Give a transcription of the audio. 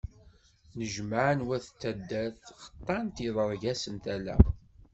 Nnejmaɛen wat n taddert xeṭṭan-t, yeḍreg-asen tala.